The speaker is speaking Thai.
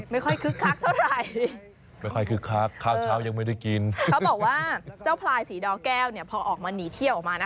คึกคักเท่าไหร่ไม่ค่อยคึกคักข้าวเช้ายังไม่ได้กินเขาบอกว่าเจ้าพลายสีดอแก้วเนี่ยพอออกมาหนีเที่ยวออกมานะคะ